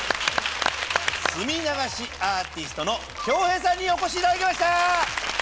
墨流しアーティストの恭平さんにお越しいただきました。